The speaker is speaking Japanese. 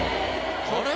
あれ？